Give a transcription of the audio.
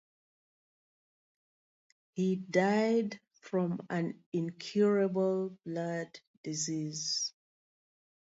He died from an incurable blood disease.